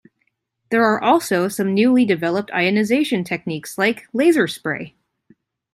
There are also some newly developed ionization techniques like laser spray.